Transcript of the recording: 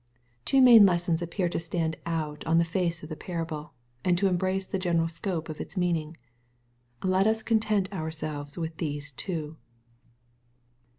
Two main lessons appear to stand out on the face of the parable, and to embrace the general scope of its mean ing. Let us content ourselves with these two.